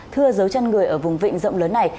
thưa dấu chân người ở vùng vịnh rộng lớn này